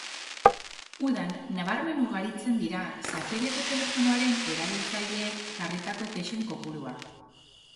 Udan nabarmen ugaritzen dira sakelako telefonoaren erabiltzaileek jarritako kexen kopurua.